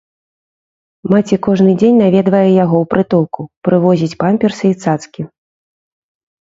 Маці кожны дзень наведвае яго ў прытулку, прывозіць памперсы і цацкі.